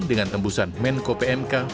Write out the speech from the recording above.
dengan tembusan menko pmk